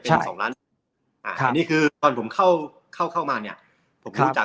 เป็น๒ล้านอันนี้คือตอนผมเข้าเข้ามาเนี่ยผมรู้จัก